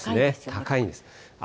高いんです。